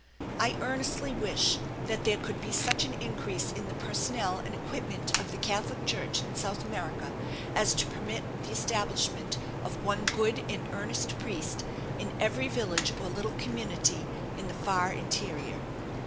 I earnestly wish that there could be such an increase in the personnel and equipment of the Catholic Church in South America as to permit the establishment of one good and earnest priest in every village or little community in the far interior.